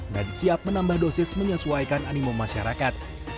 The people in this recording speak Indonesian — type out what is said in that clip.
dan siap menambah dosis menyesuaikan animum masyarakat